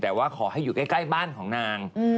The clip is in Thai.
แต่ว่าขอให้อยู่ใกล้บ้านของนาง